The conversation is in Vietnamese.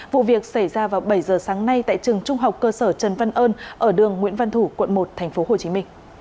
vụ việc xảy ra vào bảy giờ sáng nay tại trường trung học cơ sở trần văn ơn ở đường nguyễn văn thủ quận một tp hcm